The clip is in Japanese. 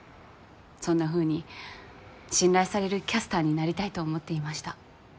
そんなふうに信頼されるキャスターになりたいと思っていました。